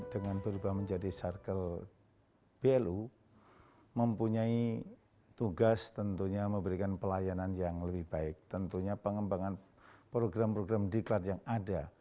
dengan berubah menjadi circle blu mempunyai tugas tentunya memberikan pelayanan yang lebih baik tentunya pengembangan program program diklat yang ada